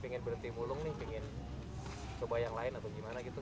pengen berhenti mulung nih pengen coba yang lain atau gimana gitu